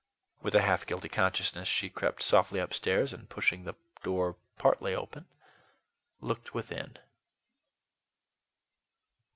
With a half guilty consciousness, she crept softly upstairs and, pushing the door partly open, looked within.